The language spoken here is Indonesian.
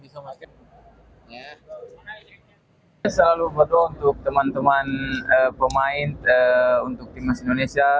saya selalu berdoa untuk teman teman pemain untuk timnas indonesia